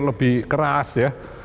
lebih keras ya